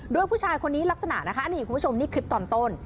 โดยผู้ชายคนนี้ลักษณะนะคะอันนี้คุณผู้ชมนี่คลิปตอนต้น